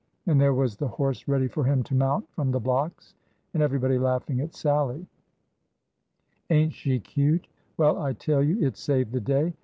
And there was the horse ready for him to mount from the blocks, and everybody laughing at Sallie. Ain't she cute? Well, I tell you, it saved the day!